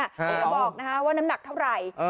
แล้วก็บอกนะฮะว่าน้ำหนักเท่าไหร่